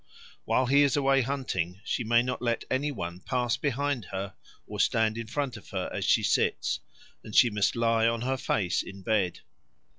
While he is away hunting, she may not let any one pass behind her or stand in front of her as she sits; and she must lie on her face in bed.